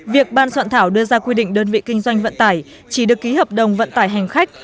việc ban soạn thảo đưa ra quy định đơn vị kinh doanh vận tải chỉ được ký hợp đồng vận tải hành khách